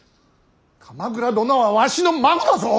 鎌倉殿はわしの孫だぞ！